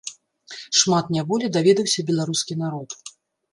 Шмат няволі даведаўся беларускі народ.